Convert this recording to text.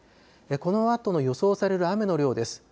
このあとの予想される雨の量です。